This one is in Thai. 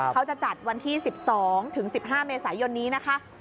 เขาจะจัดวันที่๑๒ถึง๑๕เมษายนนี้นะคะ